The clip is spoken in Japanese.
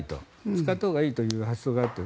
使ったほうがいいという発想があると。